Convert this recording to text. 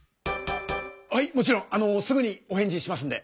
はいもちろんあのすぐにお返事しますんで。